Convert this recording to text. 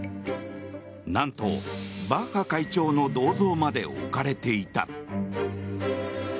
何と、バッハ会長の銅像まで置かれていた。